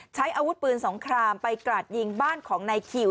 ใช้อาวุธปืนสงครามไปกราดยิงบ้านของนายคิว